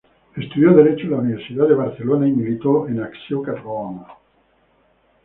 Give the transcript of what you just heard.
Estudió derecho en la Universidad de Barcelona y militó en Acció Catalana.